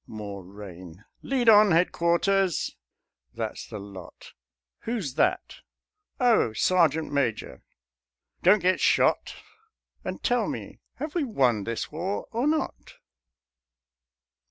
(More rain.) "Lead on, Headquarters." (That's the lot.) "Who's that? O, Sergeant major; don't get shot! _And tell me, have we won this war or not?